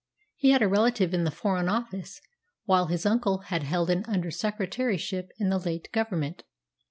He had a relative in the Foreign Office, while his uncle had held an Under Secretaryship in the late Government.